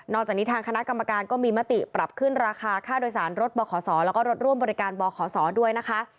จากนี้ทางคณะกรรมการก็มีมติปรับขึ้นราคาค่าโดยสารรถบขศแล้วก็รถร่วมบริการบขศด้วยนะคะ